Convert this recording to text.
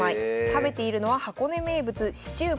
食べているのは箱根名物シチューパン。